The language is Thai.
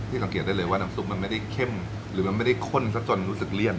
สังเกตได้เลยว่าน้ำซุปมันไม่ได้เข้มหรือมันไม่ได้ข้นซะจนรู้สึกเลี่ยน